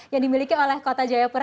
yang dimiliki oleh kota jayapura